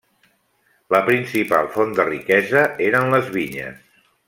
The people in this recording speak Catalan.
La principal font de riquesa eren les vinyes.